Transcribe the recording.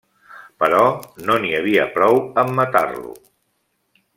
Però no n’hi havia prou amb matar-lo.